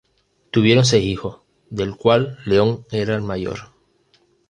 Tuvieron seis hijos, del cual León era el mayor.